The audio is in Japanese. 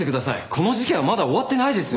この事件はまだ終わってないですよ。